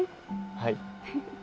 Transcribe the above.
はい。